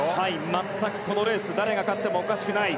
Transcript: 全くこのレース誰が勝ってもおかしくない。